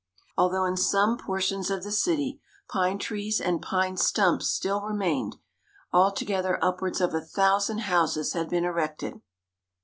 Although in some portions of the city pine trees and pine stumps still remained, altogether upwards of a thousand houses had been erected.